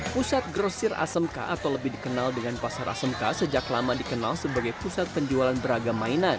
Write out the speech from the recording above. pusat grosir asmk atau lebih dikenal dengan pasar asmk sejak lama dikenal sebagai pusat penjualan beragam mainan